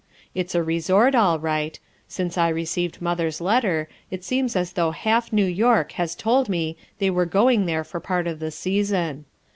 It's a resort, all right; since I received mother's letter it seems as though half New York had told me they were going there for part of the season.